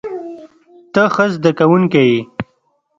ته ښه زده کوونکی یې.